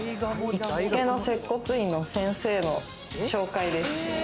行きつけの接骨院の先生の紹介です。